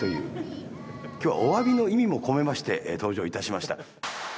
今日はおわびの意味も込めまして登場いたしました。